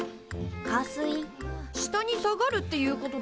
下に下がるっていうことだよね？